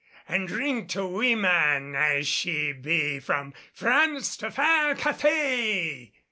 And drink to wee man as she be From France to far Cathay!"